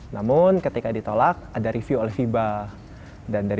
namun ketika ditolak ada review oleh fiba